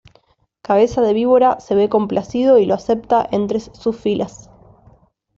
Cabeza de Víbora se ve complacido y lo acepta entre sus filas.